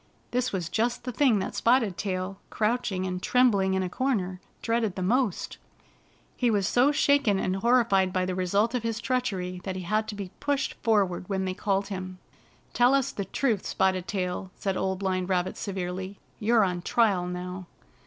This was just the thing that Spotted Tail, crouching and trembling in a comer, dreaded the most. He was so shaken and horrified by the spotted Tail Receives His Punishment 89 result of his treachery that he had to be pushed forward when they called him. "Tell us the truth, Spotted Tail," said Old Blind Rabbit severely. "You're on trial now."